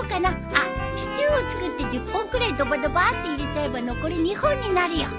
あっシチューを作って１０本くらいドバドバって入れちゃえば残り２本になるよ。